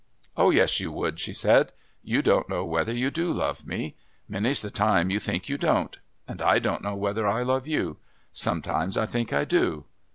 "Oh, yes, you would," she said; "you don't know whether you do love me. Many's the time you think you don't. And I don't know whether I love you. Sometimes I think I do.